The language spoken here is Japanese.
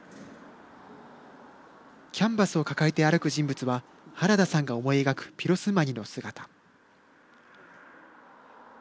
キャンバスを抱えて歩く人物ははらださんが思い描くピロスマニの姿。